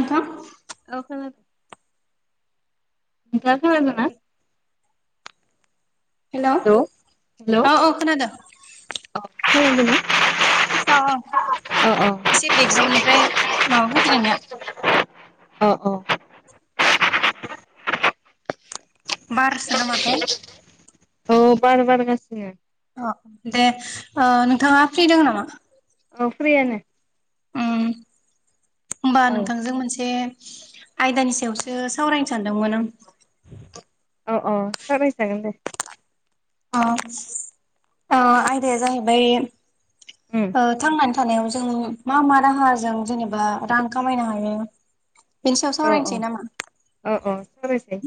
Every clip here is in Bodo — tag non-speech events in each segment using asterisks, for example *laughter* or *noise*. आफां औ खोनादों नोंथाआ खोनादोंना? हेल' औ हेल' औ खोनादों हेल' खोनादोंना? अ अ एसे बेकग्राउन्डनिफ्राय माबा फैदो नोंनिया अ अ बारसो नामाथाय औ बार बारगासिनो। अ दे ओ नोंथाङा फ्रि दं नामा? फ्रियानो। उम होमबा औ नोंथांजों मोनसे आयदानि सायावसो सावरायनो सानदोंमोन आं। औ औ सावराय जागोन दे। ओ आयदाया जाहैबाय उम थांनानै थानायाव जों मा मा राहाजों जेनेबा रांन खामायनो हायो? बिनि सायाव औ औ सावरायनोसै नामा? औ औ सावरायसै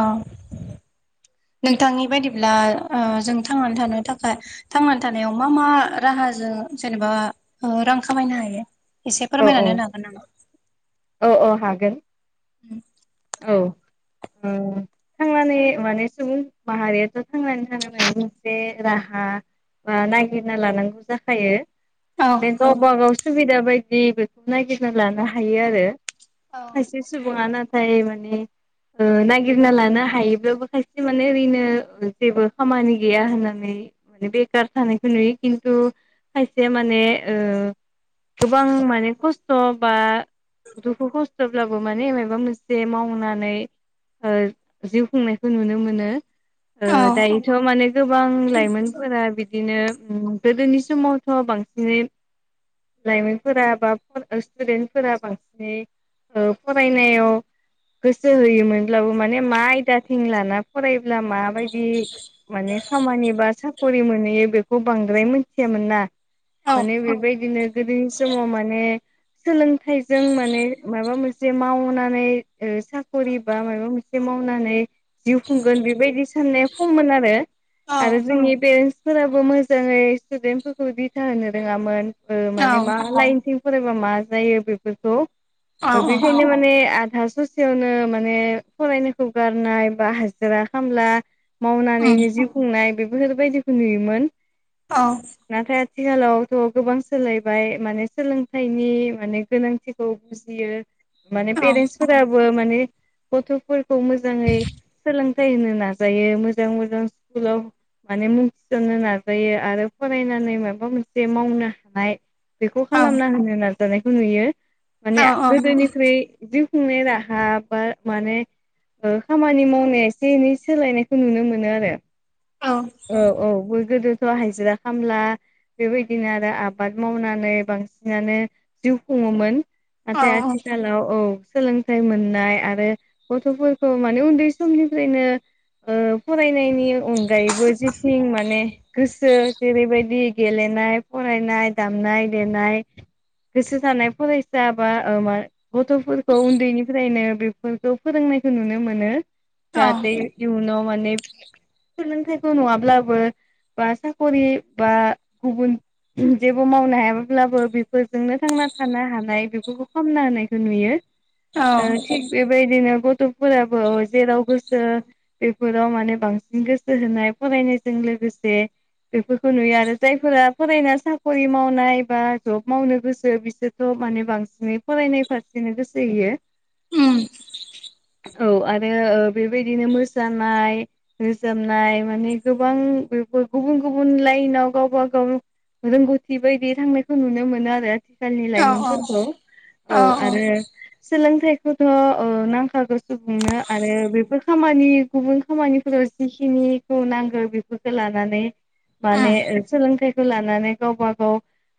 औ। नोंथांनि बायदिब्ला जों थांनानै थानो थाखाय थांनानै थानायाव मा मा राहा। जोंङो जेनेबा रां खामायनो हायो! एसे औ औ फोरमायनानै होनो हागोन नामा। गोन। उम औ। ओ थांनानै माने सुबुं माहारियाथ' थांनानै थानो मोनसे राहा नागिरना लानांगौ जाखायो औ माने गावबा गाव सुबिदा बायदि बेखौ नागिरना लानो हायो आरो। औ खायसे सुबुङा नाथाय माने नागिरना लानो हायोब्लाबो खायसे माने ओरैनो जेबो खामानि गैया होननानै म बेखार थानायखौ नुयो खिथु खायसे माने गोबां माने खस्थ' बा दुखु खस्थ'ब्लाबो माने मायबा मोनसे जे मावनानै जिउ खुंनायखौ नुनो मोनो ओ औ दायोथ' माने गोबां लाइमोनफोरा बि बिदिनो उम गोदोनि समावथ' बांसिनै लाइमोनफोरा बा स्टुडेन्टफोरा बांसिनै फरायनायाव गोसो होयोमोनब्लाबो माने म आयदाथिं लाना फराय मा बायदि माने खामानि बा साख्रि मोनो नुयो बेखौ बांद्राय मिथियामोन ना। माने औ बेबायदिनो गोदोनि समाव माने सोलोंथाइजों माने माबा मोनसे मावनानै साख'रि बा माबा मोनसे मावनानै जिउ खुंगोन बेबायदि साननाया खममोन आरो आरो जोंनि पेरेन्टस फोराबो मोजाङै स्टुदेन्ट फोरफोरखौ दिथा होनो रोङामोन औ माने मा लाइनथिं मा जायो बेफोरखौ औ खासेयावनो माने फरायनायखौ गारनाय बा हाजिरा खामला उम मावनानैनो जिउ खुंनाय बेफोरफोरबायदिखौ नुयोमोन औ। नाथाय आथिखालावथ' गोबां सोलायबाय माने सोलोंथाइनि माने गोनांथिखौ बुजियो माने औ पेरेन्स फोराबो माने गथ'फोरखौ मोजाङै सोलोंथाइ होनो नाजायो मोजां मोजां स्कुलाव माने मुं थिसननो नाजायो आरो फरायनानै माबा मोनसे मावनो हानाय बेखौ औ खालामना होनो नाजानायखौ नुयो औ माने गोदोनिख्रुइ जिउ राहा बा माने खामानि मावनाया एसे एनै सोलायनायखौ नुनो मोनो आरो। औ औ ब गोदोथ' हायाजिरा खामला बेबायदिनो आरो आबाद मावनानै बांसिनानो जिउ खुङोन नाथाय औ आथिखालाव औ सोलोंथाइ मोननाय आरो गथ'फोरखौ माने उन्दै समनिफ्रायनो फरायनायनि अनगायैबो जेथिं माने गोसो जेरैबायदि गेलेनो नाय फरायनाय दामनाय देनाय। गोसो जानाय फरायसा बा ओ मा गथ'फोर बेफोरखौ फोरोंनायखौ नुनो मोनो औ जाहाथे इयुनाव माने सोलोंथाइखौ नङाब्लाबो बा साख'रि बा गुबुन *unintelligible* जेबो मावनो हायाब्लाबो बेफोरजोंनो थांना थानो हानाय बेफोरखौ खामना होनायखौ नुयो ओ थिख बेबायायदिनो ग थ'फोराबो जेराव गोसो बेफोराव माने बांसिन गोसो होनाय फरायनायजों लो गोसे बेफोरखौ नुयो आरो जायफोरा फरायना साख'रि मावनाय बा जब मावनो गोसो बिसोरथ' माने बांसिनै फरायनाय फारसेनो गोसो होयो उम औ आरो ओ बेबायदिनो मोसानाय रोजाबनाय माने गोबां *unintelligible* गुबुन गुबुन लाइनाव गावबा गाव रोंगौथि बायदि थांनायखौ नुनो मोनो आरो आथिखालनि औ लाइमोनफोरखौ औ आरो सोलोंथाइखौथ' ओ नांखागौ सुबुंनो आरो बेफोर खामानि गुबुन खामानिफोराव जिखिनिखौ नांगौ बेफोरखौ लानानै माने उम ओ सोलोंथाइ लानानै गावबा गाव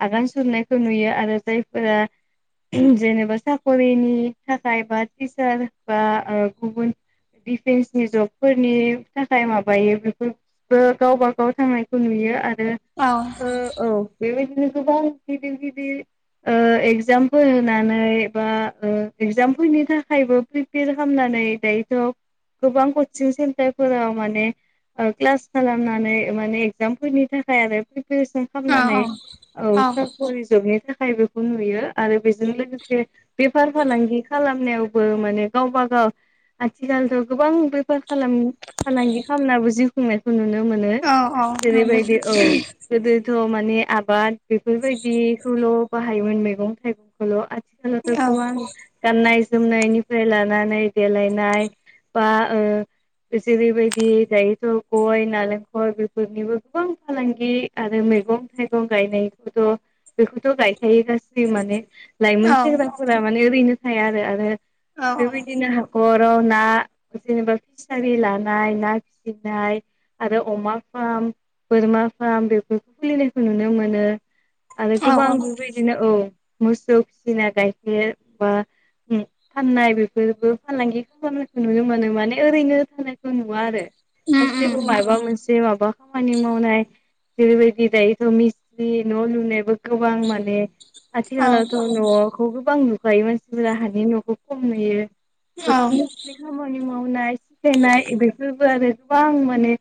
आगान सुरनायखौ नुयो आरो जायफोरा *unintelligible* जेनेबा साख'रिनि थाखाय बा टिचार बा ओ गुबुन दिफेन्सनि जबफोरनि थाखाय माबायो बेफोर *unintelligible* गावबा गाव थांनायखौ नुयो आ रो औ औ ओ औ बेबाय गोबां गिदिर गिदिर ओ एखजामपोल होनानै बा ओ एगजामफोरैनि थाखायबो प्रिपेर खामनानै दायोथ' गोबां कचिं सेन्टारफोराव माने ओ क्लास खालामनानै माने एगजामफोरनि थाखाय आरो *inaudible* नंगौ खामनानै औ *unintelligible* *inaudible* नुयो आरो बेजों लोगोसे बेफार फालांगि खालाम नायावबो माने गावबा गाव आथिखालथ' गोबां बेफोर खालाम फालांगि खामनाबो जिउ खुंनायखौ नुनो मोनो औ औ जेरैबायदि औ गोदोथ' माने आबाद बेफोरबायदिखौल' बाहायोमोन मेगं थाइगंखौल' आथि *inaudible* *inaudible* गाननाय जोमनायनिफ्राय लानानै देलायनाय बा ओ जेरैबायदि दायोथ' गय नालेंखर बेफोरनिबो गोबां फालांगि आरो मैगं थाइगं गायनायखौथ' बेखौथ' गाय खायो गासै माने लाइमोन सेंग्राफोरा माने ओरैनो थाया आरो आरो औ बेबायदिनो हाखर राव ना जेनेबा फिसारि लानाय ना फिसिनाय आरो अमा फार्म बोरमा फार्म बेफोरखौ खुलिनायखौ नुनो मोनो आरो औ गोबां बिबायदिनो औ मोसौ फिसिना गायखेर बा फाननाय बेफोरबो फालांगि खालामनायखौ नुनो मोनानो माने ओरैनो थानायखौ नुवा आरो उम *unintelligible* सिबो उम माइबा मोनसे माबा खामानि मावनाय जेरैबायदि दायोथ' मिसट्रि न' लुनायबो गोबां माने औ आथिखालावथ' न'खौ गो बां नुखायो मानसिफोरा हानि न'खौ खम नुयो औ बेखौनो *inaudible* खामानि माव मावनाय सिखायनाय बेफोरबो आरो गोबां माने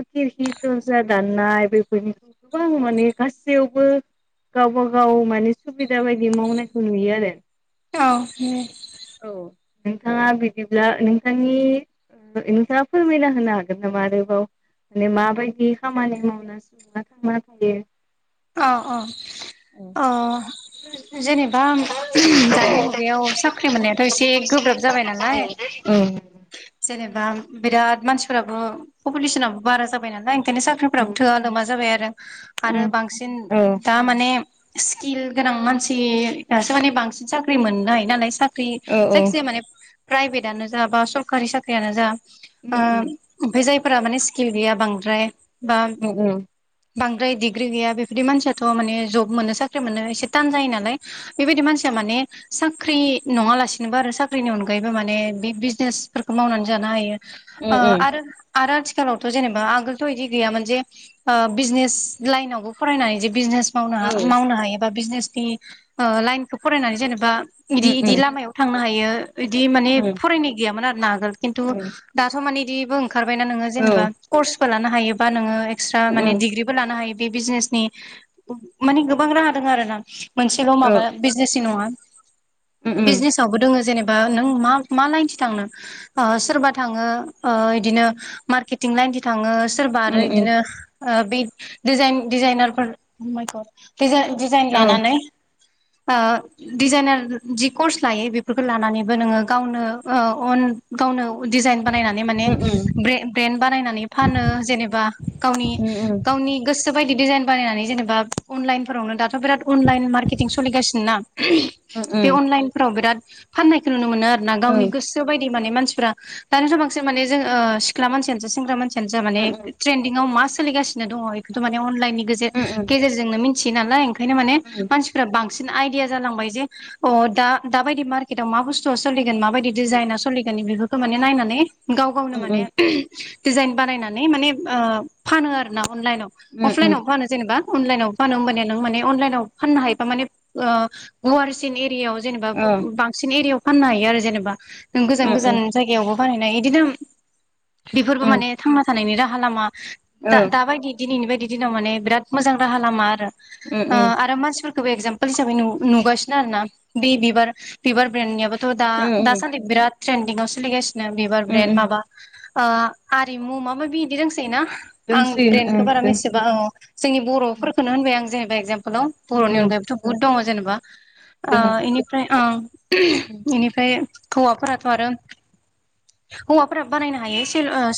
खिरखि दनजा दाननाय बेफोरनिखौ गोबां माने गासैयावबो गावबा गाव माने सुबिदा बायदि मावनायखौ नुयो आरो औ *unintelligible* औ नोंथाङा बिदिब्ला नोंथांनि *inaudible* होनो हागोन नामा *inaudible* माने माबायदि खामानि मावना *inaudible* थांना थायो अ अ औ अ जेनेबा दानि मुगायाव साख्रि मोननायाथ एसे गोब्राब जाबाय नालाय अ जेनेबा बिराद मानसिफोराबो पपुलेसनाबो बारा जाबाय नालाय बिदिनो साख्रिफ्राबो थोआ लोमा जाबाय आरो आरो बांसिन औ दा माने स्किल गोनां मानसिसो माने बांसिन साख्रि मोननाय नालाय स्रि साख्रि औ औ जायखिजाया माने प्राइभेटानो जा बा सरकारि साख्रियानो जा उम ओ उम ओमफाय जायफोरा माने स्किल गैया बांद्राय बा उम उम बांद्राय डिग्रि गैया बेबायदि मानसियाथ माने जब मोनो साख्रि मोनो एसे तान जायो नालाय बेबायदि मानसिया माने साख्रि नङालासिनोबो आरो साख्रिनि अनगायैबो माने बे बिजनेस फोरफोरखौ मावनानै जानो हायो औ उम आरो आरो आथिखालावथ जेनेबा आगोलथ बिदि गैयामोन जे ओ बिजनेस लाइनावबो फरायनानै जे बिजनेस मावनो मावनो हायो एबा बिजनेसनि लाइनखौ फरायनानै जेनेबा इदि उम इदि लामायाव थांनो हायो इदि माने उम फरायनाय गैयामोन आरो ना आगोल खिन्थु औ दाथ माने इदिबो ओंखारबाय ना नोङो जेनेबा कर्सबो लानो हायोबा नोङो एकस्रा उम माने उम डिग्रिबो लानो हायोबा बे बिजनेसनि माने गोबां राहा दङ आरो ना मोनसेल औ माबा उम बिजनेसनि नङा उम बिजनेसावबो दोङ जेनेबा नों मा मा लाइनसो थांनो ओ सोरबा थाङो ओ बिदिनो मारकेतिं लाइनथिं थांङो सोरबा आरो उम उम बिदिनो ओ बेज डिजाइनारफोरखौ दिज डिजाइन औ उम लानानै ओ डिजाइनार जि कर्स लायो बेफोरखौ लानानैबो नोङो गावनोओ अन गावनो जाइन बानायनानै माने उम ब्रेन्ड बानायनानै फानो जेनेबा गावनि उम उम गाव उम गावनि गोसो बायदि डिजाइन बानायनानै जेनेबा अनलाइनफोरावनो दाथ बिराद अनलाइन मार्केटिं सोलिगासिनो ना बे उम अनलाइनफोराव बिराद फान्नायखौ नुनो मोनो मोनो‌ आरो ना गावनि ओं गोसो बायदि माने मानसिफोरा दानि जुगाव माने जोंङो सिख्ला मानसियानो जा बा सेंग्रा मानसि माने उम ट्रेन्डिंङाव मा सोलिगासिनो दङ बेखौथ माने अनलाइननि उम गेजेरजोंनोथि मिथियो नालायओंखायनो माने मानसिफोरारा बांसिन बांसिन‌ आइदिया जालांबायजे अ दा दा बायदि मारकेताव मा बुसतुवा‌ सोलिगोन माबाय डिजाइना सोलिगोन बेफोरखौ माने नायनानै गाव गावनो उम माने दिडजाइन बानायनानै मानेओ फानो आर ना अनलाइनाव उम अफलाइनाव फानो जेनेबा अनलाइनाव फानो होमबान नों माने अनलाइनाव फाननो हायोबा माने ओ गुवारसिन एरियायाव जेनेबा अ बांसिन एरियाायाव फाननो हायो आरो जेनेबा नों गोजान उम उम गोजान उम औ उम जायगायावबो बानायनाय बिदिनो बेफोरबो माने थांना थानायनि राहा लामा दा दाबायदि दिनैनि बायदि दिनाव माने बिराद मोजां राहा लामा आरो उम ओ आरो‌ मानसिफोरखो गोबो एगजामपोल हिसाबै नुगासिनो आरोना बे बिबार बिबार ब्रेन्डनियाबोथ दा उम दासान्दि बिराद ट्रेन्दिंङाव सोलिगासिनो बिबार ब्रेन्ड उम माबा ओ आरिमु मा माबि बिदों ना आं दोंसोयो ब्रेन्दडखौ ओं बाराेसेबा दोंसोयो जोंनि बर'फोरखौनो होनबाय आं जेनेबा ए *unintelligible* उम बर'नि उम अनगायबोथ बहुद दं जेनबा ओ दोङो इनिफ्रायंओ बेनिफ्राय हौवाफोराथ आरो हौवाफोराबो बानायनो हायो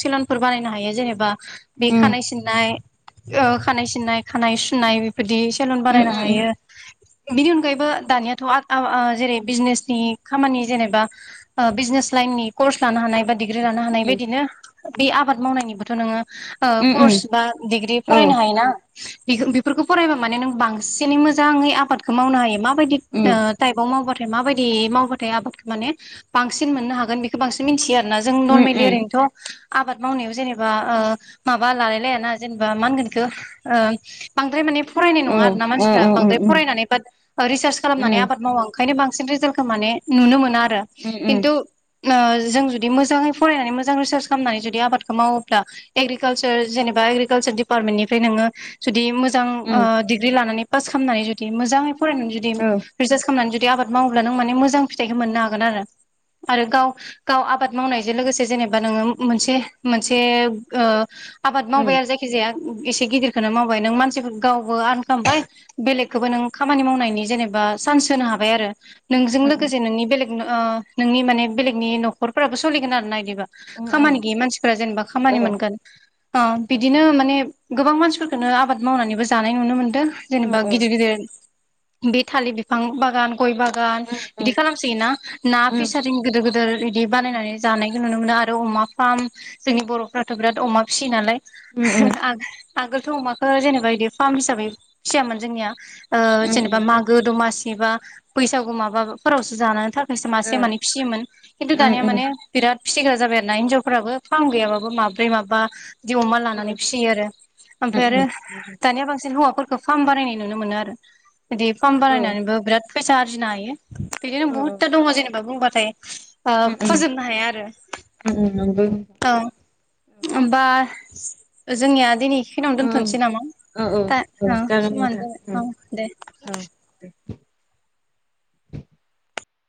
सिलनफोर बानायनो हायो जेनेबा बे उम खानाय सिननाय खानाय सिननाय खानाय सुनाय बे बिदि सेलुन उम उम बानायनो हायो। बिनि अनगायैबो दानियाथ ओ जेरै बिजनेसनि खामानि जेनेबा बिजनेस लाइननि कर्स लानो हानाय बा डिग्रि लानो हानाय उम बायदिनो बे आबाद मावनायनिबोथ नोङो ओ उम उम कर्स बा डिग्रि औ फरायनो हाय ना बेफोरखौ फरायबा माने नों बांसिनै मोजाङै आबादखौ मावनो हायो मा माबायदि उम टाइपआव मावबाथाय माबायदि मावबाथाय आबादखौ माने बांसिन मोननो हागोन बेखौ बांसिन मिथियो आरोना जों उम नर्मेलि उम ओरैनोथ' आबाद मावनायाव जेनेबा ओ माबा लालाय लाय ना जेनेबा मा होनगोन बेखौ ओ बांद्राय माने फरायनाय औ नङा अ आरो ना मानसिफ्रा अ उम उम बांद्राय उम फरायनानै बा रिसार्च खालामनानै आबाद माव आं ओंखाय बांसिन रिजाल्टखौ माने नुनो मोना आरो उ उ खिन्थु जों जुदि मोजाङै फरायनानै मोजां रिसार्च खालामनानै जुदि आबादखौ मावोब्ला एग्रिकालसार जेनेबा एग्रिखालसार डिपारमेनथनों जुदि मोजां मोजां अ दिग्रि लानानै पास खालामनटनै जुदि मोजां फरायनानै जुदि औ रिसारस खामनानै जुदि बिदि आबाद मावोब्ला नों माने मोजां फिथाइखौ मोननो हागोन आरो आरो गाव गाव आबाद मावनायजों लोगोसे जेनेबा नोङो मोनसे मोनसे आबाद उम उम मावबाय आरो जायखिजाया एसे गिदिरखौनो मावबाय नों मानसि गावबो आर्न खालामबाय बेलेगखौबो नों खामानि मावनायनि जेनेबा बा सान्स होनो हाबाय आरो नोंजों उम लोगोसे नोंनि बेलेग नोंनि माने बेलेगनि न'खरफोराबो सोलिगोन आर ना बिदिबा उम औ खामानि गैयि मानसिफोरा जेनेबा औ खामानि औ मोनगोन बिदिनो माने गोबां मानसिफोरखौोननो आबाद मावनानैबो जानाय नुनो मोनदों जेनेबा गिदिर उम गिदिर बे थालिर बिफां बागान गय बागान उम बिदि खालामसै ना ना फिसारिं गिदिर गिदिर बिदि बानायनानै उम जानाय नुनो मोनो आरो अमा फार्म जोंनि बर'फ्राथ' बिराद अमा फिसियो नालाय उम आगोलथ' अमाखौो जेनेबा बिदि फार्म हिसाबै फिसियामोन जोंनिया उम उम जेनेबा मागो दमासि जबा बैसागु माबाफोरावसो जानानै स ओ मासे माने फिसियोमोन खिन्थु ओं दानिया ओं माने बिराद फिथिग्रा जाबाय आरो ना हिनजावफोराबो फार्म गैयाबाबो माब्रै माबा बि अमा लानानै ओं फिसियो आरो ओमफ्राय आरो ओं दानिया बांसिन हौवाफोरखौ बे फार्म बानायनाय नुनो मोनो आरो बिदि फार्म ओं औ बानायनानैबो बिराद फैसा आरजिनो हायो बेदिनो औ औ बहुत जेनेबा बुंबाथाय ओम ओम फोजोबनो हाया आरो ओम ओम नंगौ नोंथां औ हबा जोंनिया दिनैखिनिावनो दोनथ'नोसै नामा औ औ दा औ जागोन नोंथां समानो जाबाय औ दे औ दे *unintelligible*